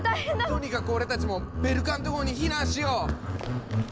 とにかく俺たちもベルカント号に避難しよう！